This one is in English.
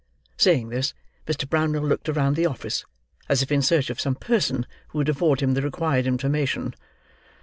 Saying this, Mr. Brownlow looked around the office as if in search of some person who would afford him the required information.